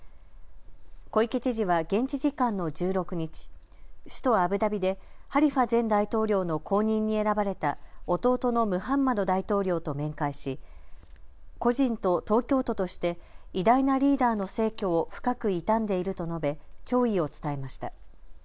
小池知事は現地時間の１６日、首都アブダビでハリファ前大統領の後任に選ばれた弟のムハンマド大統領と面会し個人と東京都として偉大なリーダーの逝去を深く悼んでいると述べ弔意を伝えました。